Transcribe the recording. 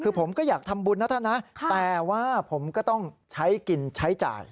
คือผมก็อยากทำบุญนะท่านนะแต่ว่าผมก็ต้องใช้กินใช้จ่าย